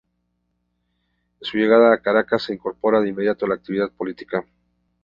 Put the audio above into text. En su llegada a Caracas se incorpora de inmediato en la actividad política.